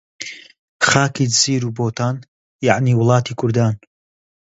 خاکی جزیر و بۆتان، یەعنی وڵاتی کوردان